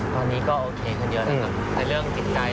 ตอนนี้ก็โอเคกันเยอะนะครับในเรื่องจิตใจ